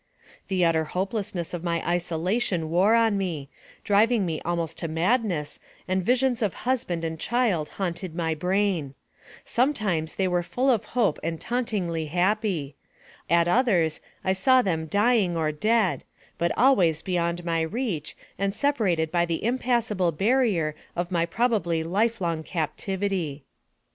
The utter hopelessness of my isolation wore on me, driving me almost to madness, and visions of husband and child haunted my brain ; sometimes they were full of hope and tauntingly happy; at others, I saw them dying or dead, but always beyond my reach, and sep arated by the impassable barrier of my probably life long captivity.